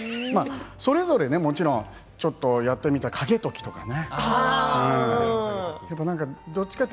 それぞれね、もちろんちょっとやってみたい景時とかね。